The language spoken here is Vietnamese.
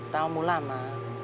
tao muốn làm mà